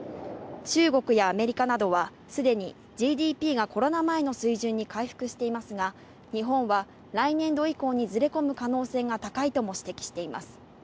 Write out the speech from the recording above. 中国やアメリカなどはすでにＧＤＰがコロナ前の水準に回復していますが、日本は来年度以降にずれ込む可能性が高いとも指摘しています。